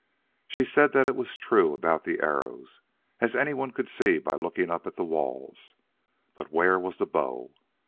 She said that it was true about the arrows, as anyone could see by looking up at the walls. But where was the bow?